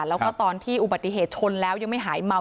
แล้วก็ตอนที่อุบัติเหตุชนแล้วยังไม่หายเมา